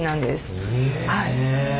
へえ。